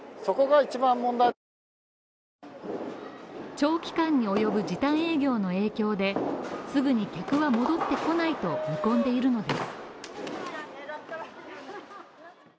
長期間に及ぶ時短営業の影響ですぐに客は戻ってこないと見込んでいるのです。